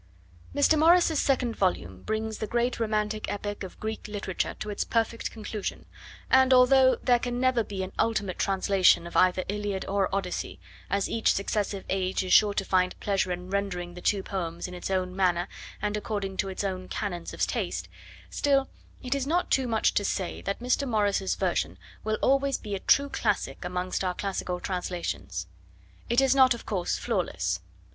Mr. Morris's second volume brings the great romantic epic of Greek literature to its perfect conclusion, and although there can never be an ultimate translation of either Iliad or Odyssey, as each successive age is sure to find pleasure in rendering the two poems in its own manner and according to its own canons of taste, still it is not too much to say that Mr. Morris's version will always be a true classic amongst our classical translations. It is not, of course, flawless.